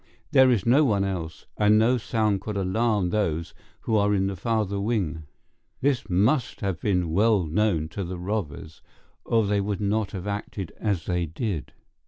There is no one else, and no sound could alarm those who are in the farther wing. This must have been well known to the robbers, or they would not have acted as they did.